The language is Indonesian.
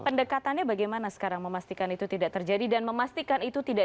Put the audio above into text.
pendekatannya bagaimana sekarang memastikan itu tidak terjadi dan memastikan itu tidak